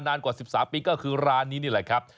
นานกว่า๑๓ปีก็คือร้านนี้นี่แหละครับ